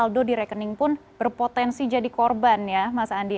saldo di rekening pun berpotensi jadi korban ya mas andi